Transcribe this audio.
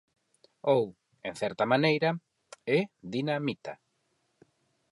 Ou, en certa maneira, é Dina Mita.